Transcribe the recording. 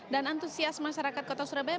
dan antusias masyarakat kota surabaya